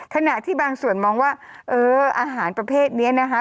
ขณะที่บางส่วนมองว่าเอออาหารประเภทนี้นะคะ